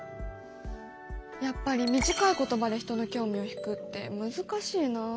やっぱり短いことばで人の興味をひくって難しいなあ。